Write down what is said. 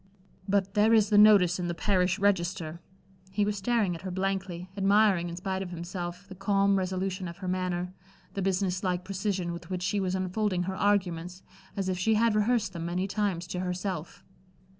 "But there is the notice in the parish register." He was staring at her blankly, admiring in spite of himself, the calm resolution of her manner, the business like precision with which she was unfolding her arguments, as if she had rehearsed them many times to herself.